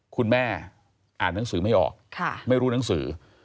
คุณแม่อ่านหนังสือไม่ออกไม่รู้หนังสือ